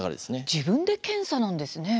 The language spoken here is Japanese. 自分で検査なんですね。